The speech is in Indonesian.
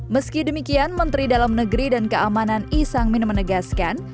meski demikian menteri dalam negeri dan keamanan i sang min menegaskan